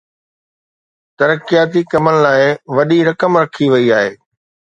ترقياتي ڪمن لاءِ وڏي رقم رکي وئي آهي.